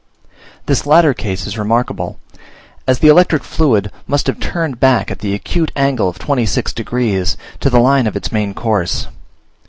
This latter case is remarkable, as the electric fluid must have turned back at the acute angle of 26 degs., to the line of its main course.